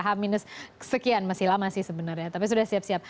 h sekian masih lama sih sebenarnya tapi sudah siap siap